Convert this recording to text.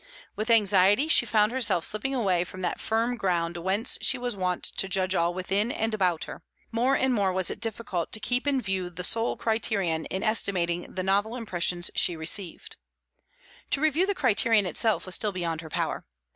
With anxiety, she found herself slipping away from that firm ground whence she was wont to judge all within and about her; more and more difficult was it to keep in view that sole criterion in estimating the novel impressions she received. To review the criterion itself was still beyond her power.